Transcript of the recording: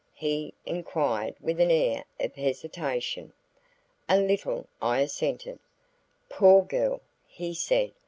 he inquired with an air of hesitation. "A little," I assented. "Poor girl!" he said.